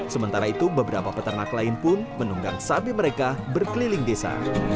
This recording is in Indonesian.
sementara itu beberapa peternak lain pun menunggang sapi mereka berkeliling desa